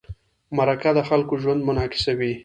مرکه د خلکو ژوند منعکسوي.